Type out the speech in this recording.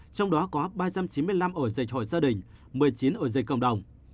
trong đó có ba trăm chín mươi năm ổ dịch hội gia đình một mươi chín ổ dịch cộng đồng